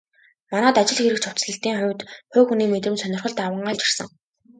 Манайд ажил хэрэгч хувцаслалтын хувьд хувь хүний мэдрэмж, сонирхол давамгайлж ирсэн.